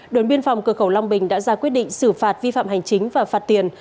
đồn biên phòng cửa khẩu long bình đã ra quyết định xử phạt vi phạm hành chính và phạt tiền